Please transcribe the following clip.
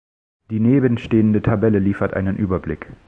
Die nebenstehende Tabelle liefert einen Überblick.